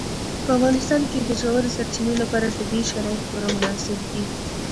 په افغانستان کې د ژورې سرچینې لپاره طبیعي شرایط پوره مناسب دي.